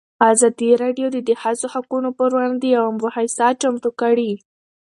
ازادي راډیو د د ښځو حقونه پر وړاندې یوه مباحثه چمتو کړې.